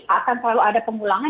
akan selalu ada pengulangan